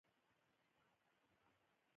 د دې مینه زموږ ایمان دی؟